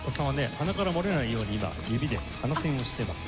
鼻から漏れないように今指で鼻栓をしてます。